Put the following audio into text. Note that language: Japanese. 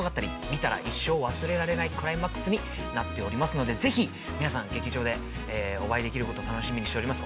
見たら、一生忘れられないクライマックスになっておりますので、ぜひ皆さん、劇場でお会いできることを楽しみにしております。